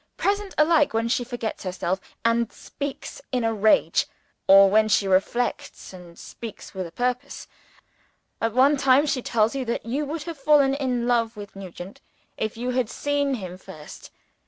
Present alike when she forgets herself, and speaks in a rage or when she reflects, and speaks with a purpose. At one time, she tells you that you would have fallen in love with Nugent, if you had seen him first.